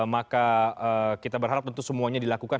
maka kita berharap tentu semuanya dilakukan